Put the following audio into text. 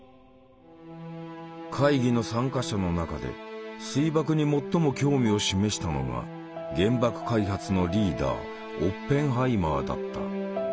会議の参加者の中で水爆に最も興味を示したのが原爆開発のリーダーオッペンハイマーだった。